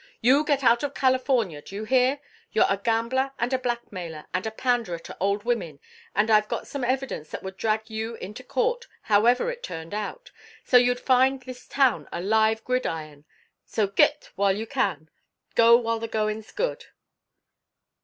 "You get out of California, d'you hear? You're a gambler and a blackmailer and a panderer to old women, and I've got some evidence that would drag you into court however it turned out, so's you'd find this town a live gridiron. So, git, while you can. Go while the going's good."